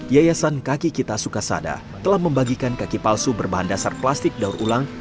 yayasan kaki kita sukasada telah membagikan kaki palsu berbahan dasar plastik daur ulang